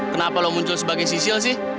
kenapa lo muncul sebagai sisil sih